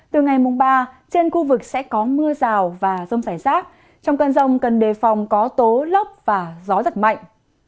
từ ngày mùng ba trên khu vực sẽ có mưa rào và rông rải rác trong cơn rông cần đề phòng có tố lốc và gió giật mạnh